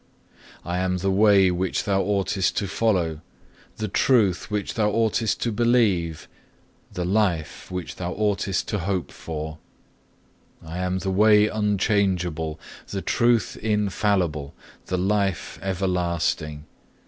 I am the Way which thou oughtest to follow; the Truth which thou oughtest to believe; the Life which thou oughtest to hope for. I am the Way unchangeable; the Truth infallible; the Life everlasting.